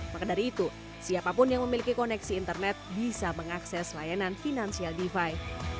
maka dari itu siapapun yang memiliki koneksi internet bisa mengakses layanan financial defi